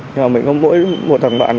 nhưng mà mình có mỗi một thằng bạn